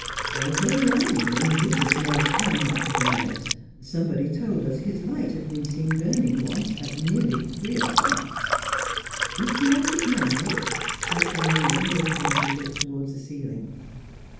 "All day long, and goodness knows how much of the night. Somebody told us his light had been seen burning once at nearly three o'clock." "Is he at it now?" asked Irene, with a comical look towards the ceiling.